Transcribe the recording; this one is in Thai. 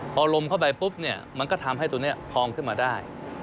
พอลมเข้าไปปุ๊บเนี่ยมันก็ทำให้ตัวนี้พองขึ้นมาได้